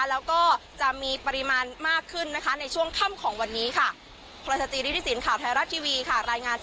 แล้วก็จะมีปริมาณมากขึ้นนะคะในช่วงค่ำของวันนี้ค่ะ